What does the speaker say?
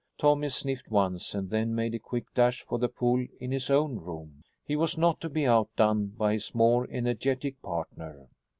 Tommy sniffed once and then made a quick dash for the pool in his own room. He was not to be outdone by his more energetic partner.